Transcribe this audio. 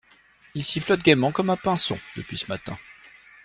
Il sifflote gaiement comme un pinson depuis ce matin.